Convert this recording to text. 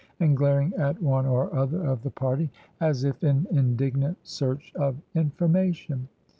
and glaring at one or other of the party, as if in indignant search of information.